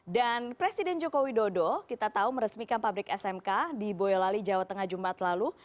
dan presiden jokowi dodo kita tahu meresmikan pabrik smk di boyolali jawa tengah jumat lalu